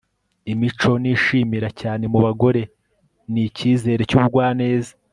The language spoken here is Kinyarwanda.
imico nishimira cyane mu bagore ni icyizere n'ubugwaneza